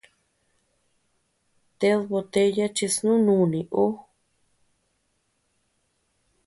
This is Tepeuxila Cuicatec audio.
!Ted botella chi snú nuni ú!